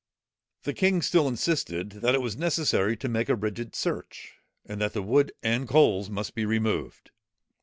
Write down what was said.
The king still insisted, that it was necessary to make a rigid search, and that the wood and coals must be removed.